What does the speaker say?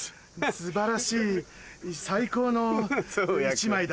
素晴らしい最高の１枚だ。